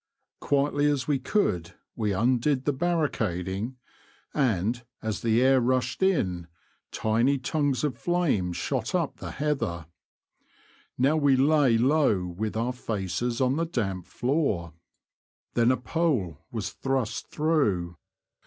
Quietly as we could we undid the barricading, and, as the air rushed in, tiny tongues of flame shot up the heather. Now we lay low with our faces on the damp floor. Then a pole was thrust through.